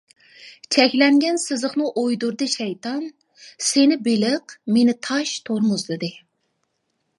چەكلەنگەن سىزىقنى ئويدۇردى شەيتان، سېنى بېلىق، مېنى تاش تورمۇزلىدى.